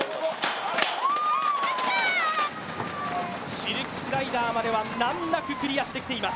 シルクスライダーまでは難なくクリアしてきています。